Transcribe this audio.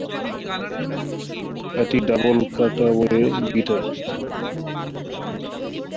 এটি double cutaway guitar.